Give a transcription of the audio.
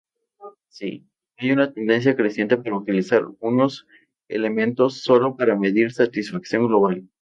Así, hay una tendencia creciente para utilizar unos elementos solo para medir satisfacción global.